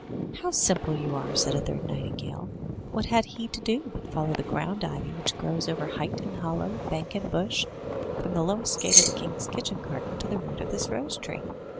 *' "How simple you are!'* said a third nightingale. "What had he to do but follow the ground ivy which grows over height and hollow, bank and bush, from the lowest gate of the king's kitchen garden to the root of this rose tree?